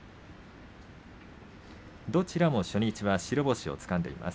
どちらも初日は白星をつかんでいます。